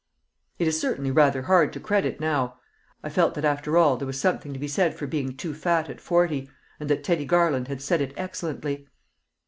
It is certainly rather hard to credit now. I felt that after all there was something to be said for being too fat at forty, and that Teddy Garland had said it excellently.